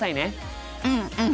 うんうん。